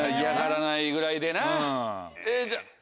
嫌がらないぐらいでな。